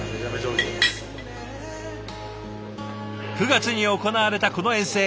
９月に行われたこの遠征。